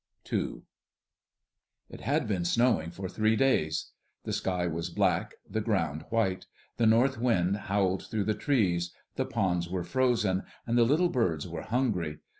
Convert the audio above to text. II. It had been snowing for three days. The sky was black, the ground white; the north wind howled through the trees; the ponds were frozen; and the little birds were hungry.